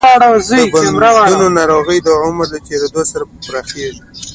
د بندونو ناروغي د عمر تېریدو سره پراخېږي.